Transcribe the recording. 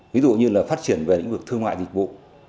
ví dụ như là phát triển về những vực thương ngoại dịch vụ